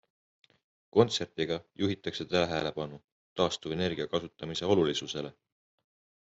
Kontserdiga juhitakse tähelepanu taastuvenergia kasutamise olulisusele.